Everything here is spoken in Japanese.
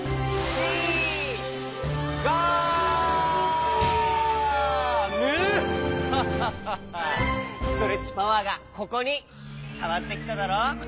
ストレッチパワーがここにたまってきただろう？